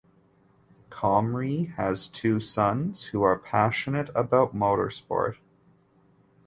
Comrie has two sons who are passionate about motorsport.